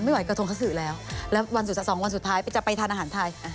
ไหวกระทงเขาสื่อแล้วแล้ววันสองวันสุดท้ายจะไปทานอาหารไทย